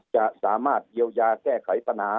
จะสามารถเยียวยาแก้ไขปัญหา